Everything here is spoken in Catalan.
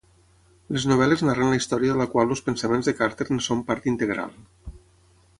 Les novel·les narren la història de la qual els pensaments de Carter, en són part integral.